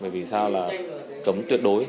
vì sao là cấm tuyệt đối